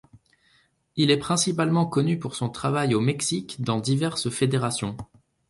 Il est principalement connu pour son travail au Mexique dans diverses fédérations.